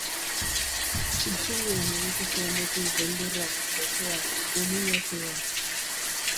Isilean eduki zuen beti beldurra, gosea, umilazioa.